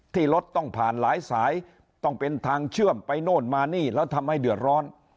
ที่รถต้องผ่านหลายสายต้องเป็นทางเชื่อมไปโน่นมานี่แล้วทำให้เดือดร้อน